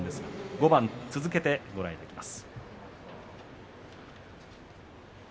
５番続けてご覧いただきます。